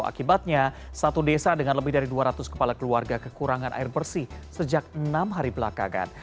akibatnya satu desa dengan lebih dari dua ratus kepala keluarga kekurangan air bersih sejak enam hari belakangan